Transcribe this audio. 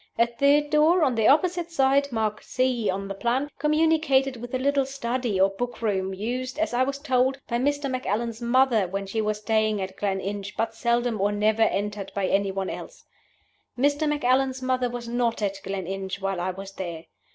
A third door, on the opposite side (marked C on the plan), communicated with a little study, or book room, used, as I was told, by Mr. Macallan's mother when she was staying at Gleninch, but seldom or never entered by any one else. Mr. Macallan's mother was not at Gleninch while I was there.